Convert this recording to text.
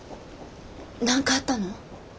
何かあったの？